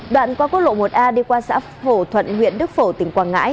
đoạn qua quốc lộ một a đi qua xã hổ thuận huyện đức phổ tỉnh quảng ngãi